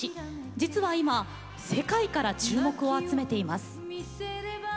実は今、世界から注目を集めています。